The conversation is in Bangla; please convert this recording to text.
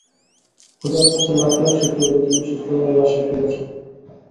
খোদার কাছে লাখ লাখ শুকরিয়া, যে তুমি সুস্থ ভাবে বাসায় ফিরেছ।